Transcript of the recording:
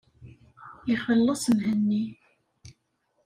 Ixelles Mhenni.